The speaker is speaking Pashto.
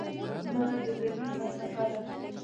دا هماغه د ګاندي فلسفه ده.